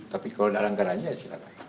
tapi kalau ada anggarannya tidak ada anggaran